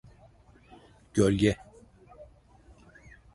Gölge!